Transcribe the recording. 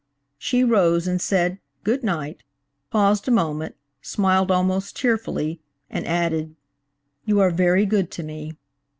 She rose and said, "good night," paused a moment, smiled almost tearfully and added, "you are very good to me."